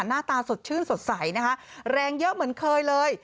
หน้าตาสดชื่นสดใสนะคะแรงเยอะเหมือนเคยเลย